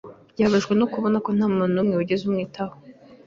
Yababajwe no kubona ko nta muntu n'umwe wigeze amwitaho.